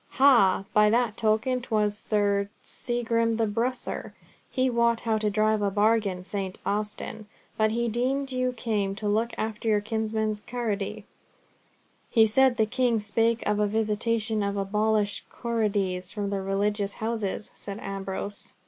"Ha! By that token 'twas Segrim the bursar. He wots how to drive a bargain. St. Austin! but he deemed you came to look after your kinsman's corrody." "He said the king spake of a visitation to abolish corrodies from religious houses," said Ambrose.